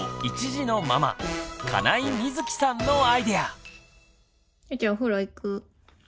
１児のママ金井瑞季さんのアイデア！